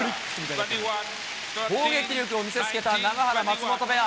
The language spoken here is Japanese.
攻撃力を見せつけた、永原・松本ペア。